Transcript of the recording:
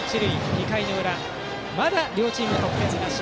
２回の裏、まだ両チーム得点なし。